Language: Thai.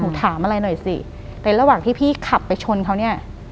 ถามอะไรหน่อยสิแต่ระหว่างที่พี่ขับไปชนเขาเนี่ย